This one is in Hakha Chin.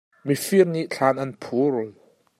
Mifir nih thlan an phul.